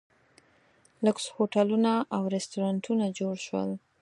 لوکس هوټلونه او ریسټورانټونه جوړ شول.